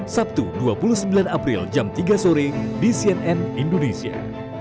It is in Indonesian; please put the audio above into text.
sabtu dua puluh sembilan april jam tiga sore di cnn indonesia